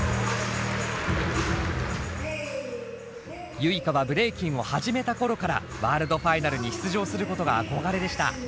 Ｙｕｉｋａはブレイキンを始めた頃からワールドファイナルに出場することが憧れでした。